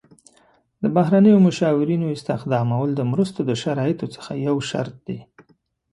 د بهرنیو مشاورینو استخدامول د مرستو د شرایطو څخه یو شرط دی.